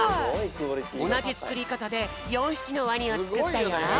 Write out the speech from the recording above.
おなじつくりかたで４ひきのワニをつくったよ。